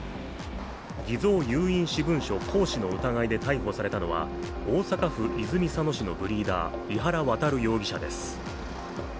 偽造有印私文書行使の疑いで逮捕されたのは大阪府泉佐野市のブリーダー、井原渉容疑者です。